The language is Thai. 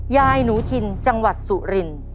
ยายหนูชินจังหวัดสุริน